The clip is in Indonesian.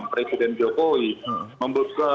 presiden jokowi membutuhkan